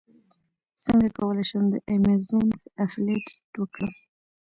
څنګه کولی شم د ایمیزون افیلیټ وکړم